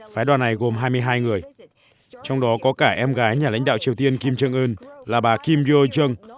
phái đoàn này gồm hai mươi hai người trong đó có cả em gái nhà lãnh đạo triều tiên kim jong un là bà kim yo jung